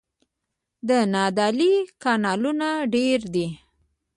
د نادعلي کانالونه ډیر دي